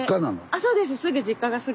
あそうです。